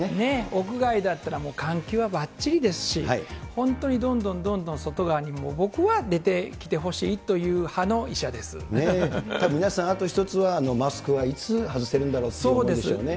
屋外だったらもう、換気はばっちりですし、本当にどんどんどんどん外側に僕は出てきてほしいという派の医者たぶん、皆さん、あと一つは、マスクはいつ外せるんだろうという思いでしょうね。